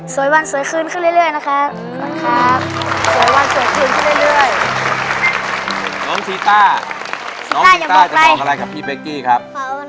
สวยวันสวยคืนขึ้นเรื่อยนะครับ